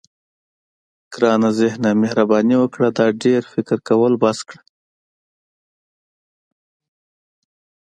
ګرانه ذهنه مهرباني وکړه دا ډېر فکر کول بس کړه.